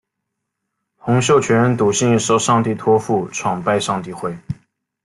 洪秀全笃信受上帝托负创拜上帝会。